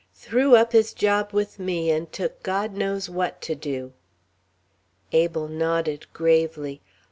Threw up his job with me, and took God knows what to do." Abel nodded gravely.